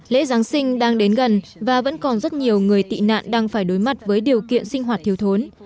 lễ giáng sinh đang đến gần và vẫn còn rất nhiều người tị nạn đang phải đối mặt với điều kiện sinh hoạt thiếu thốn